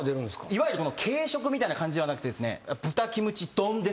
いわゆる軽食みたいな感じはなくてですね。